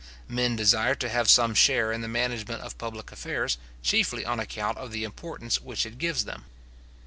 Men desire to have some share in the management of public affairs, chiefly on account of the importance which it gives them.